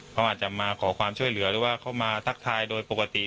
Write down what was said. เขาอาจจะมาขอความช่วยเหลือหรือว่าเข้ามาทักทายโดยปกติ